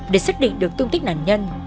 để xác định được tung tích nạn nhân